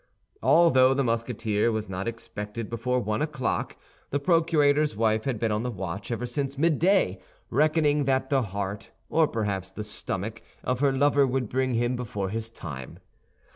Although the Musketeer was not expected before one o'clock, the procurator's wife had been on the watch ever since midday, reckoning that the heart, or perhaps the stomach, of her lover would bring him before his time.